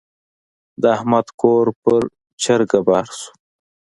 د احمد کور پر چرګه بار شو.